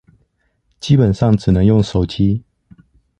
基本上只能用手機